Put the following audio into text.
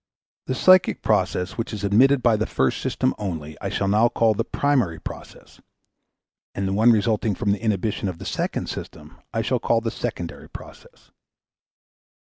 The psychic process which is admitted by the first system only I shall now call the primary process; and the one resulting from the inhibition of the second system I shall call the secondary process.